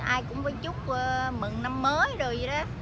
ai cũng có chúc mừng năm mới rồi vậy đó